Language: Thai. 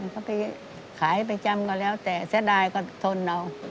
เขาไปขายไปจำก็แล้วแต่แสดงก็ทนเอา